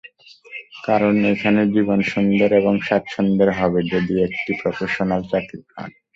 কারণ এখানে জীবন সুন্দর এবং স্বাচ্ছন্দের হবে যদি একটি প্রফেশনাল চাকরি পান।